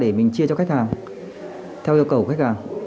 để mình chia cho khách hàng theo yêu cầu của khách hàng